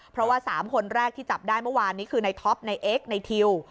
เพราะว่า๓คนแรกที่จับได้เมื่อวานนี้คือในท็อปในเอ็กซในทิว